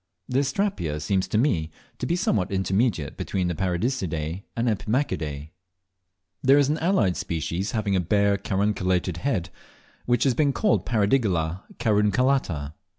The Astrapia seems to me to be somewhat intermediate between the Paradiseidae and Epimachidae. There is an allied species, having a bare carunculated head, which has been called Paradigalla carunculata.